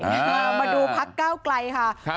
มาดูพักก้าวไกลค่ะ